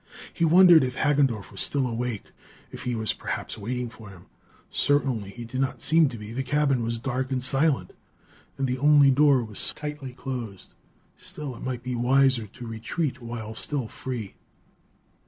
He wondered if Hagendorff was still awake; if he was, perhaps, waiting for him. Certainly he did not seem to be: the cabin was dark and silent, and the only door was tightly closed. Still it might be wiser to retreat while still free....